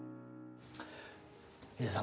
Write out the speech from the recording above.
ヒデさん